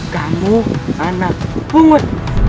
kamu anak pungut